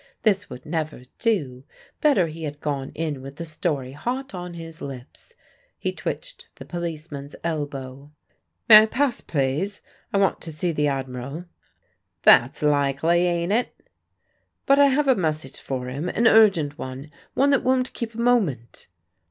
This would never do; better he had gone in with the story hot on his lips. He twitched the policeman's elbow. "May I pass, please? I want to see the Admiral." "That's likely, ain't it?" "But I have a message for him; an urgent one one that won't keep a moment!"